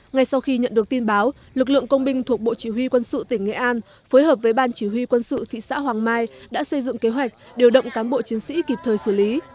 ngay sau khi nhận được tin báo lực lượng công binh thuộc bộ chỉ huy quân sự tỉnh nghệ an phối hợp với ban chỉ huy quân sự thị xã hoàng mai đã xây dựng kế hoạch điều động cán bộ chiến sĩ kịp thời xử lý